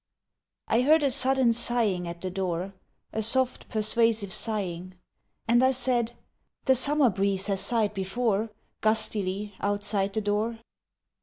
I heard a sudden sighing at the door, A soft, persuasive sighing, And I said, "The summer breeze has sighed before, Gustily, outside the door!"